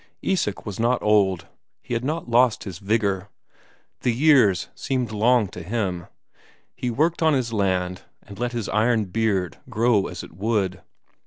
Isak was not old, he had not lost his vigour; the years seemed long to him. He worked on his land, and let his iron beard grow as it would.